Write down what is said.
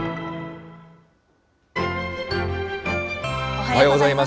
おはようございます。